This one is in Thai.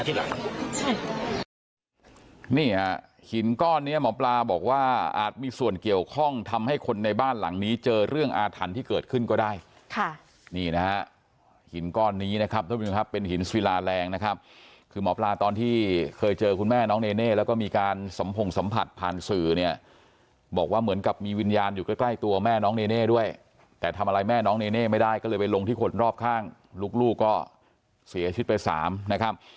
ใช่นี่อ่ะหินก้อนเนี้ยหมอปลาบอกว่าอาจมีส่วนเกี่ยวข้องทำให้คนในบ้านหลังนี้เจอเรื่องอาถรรพ์ที่เกิดขึ้นก็ได้ค่ะนี่นะฮะหินก้อนนี้นะครับท่านผู้ชมครับเป็นหินสวีราแรงนะครับคือหมอปลาตอนที่เคยเจอคุณแม่น้องเนเน่แล้วก็มีการสำผงสำผัสผ่าน